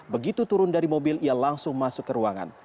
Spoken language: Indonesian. begitu turun dari mobil ia langsung masuk ke ruangan